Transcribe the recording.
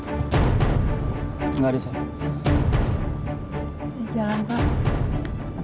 apa yang harus aku lakukan ya allah